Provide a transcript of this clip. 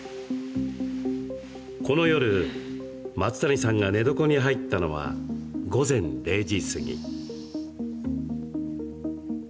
この夜、松谷さんが寝床に入ったのは午前０時過ぎ。